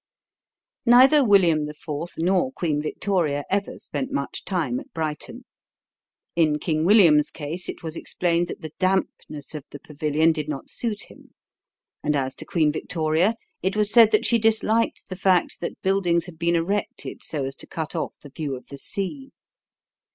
Neither William IV. nor Queen Victoria ever spent much time at Brighton. In King William's case it was explained that the dampness of the Pavilion did not suit him; and as to Queen Victoria, it was said that she disliked the fact that buildings had been erected so as to cut off the view of the sea.